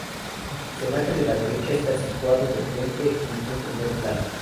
El personaje de la derecha está situado de frente en un primer plano.